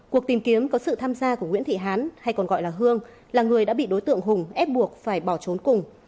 cuộc tìm kiếm có sự tham gia của nguyễn thị hán hay còn gọi là hương là người đã bị đối tượng hùng ép buộc phải bỏ trốn cùng